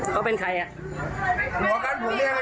เขาเป็นใคร